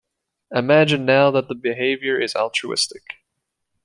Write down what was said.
Imagine now that the behavior is altruistic.